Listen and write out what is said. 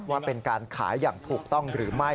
ว่าเป็นการขายอย่างถูกต้องหรือไม่